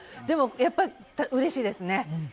でも、やっぱりうれしいですね。